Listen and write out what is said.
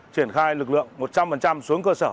triển khai lực lượng một trăm linh xuống cơ sở